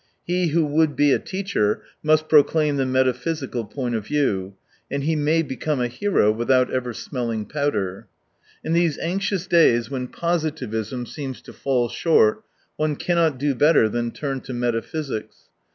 He who would be a teacher must proclaim the meta physical point of view, and he may become a hero without ever smelling powder. In these anxious days, when positivism seems to fall short, one cannot do better than turn to metaphysics.